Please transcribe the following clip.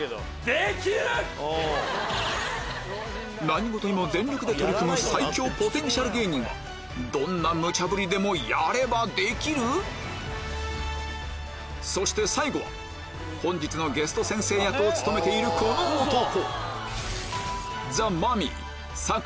何事にも全力で取り組むどんなムチャブリでもやればできる⁉そして最後は本日のゲスト先生役を務めているこの男！